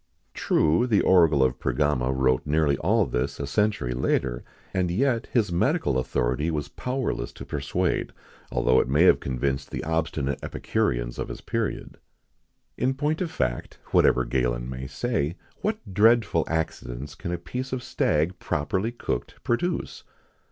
[XIX 49] True, the oracle of Pergama wrote nearly all this a century later, and yet his medical authority was powerless to persuade, although it may have convinced the obstinate epicureans of his period. In point of fact, whatever Galen may say, what dreadful accidents can a piece of stag properly cooked produce?